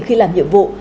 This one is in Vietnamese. khi làm nhiệm vụ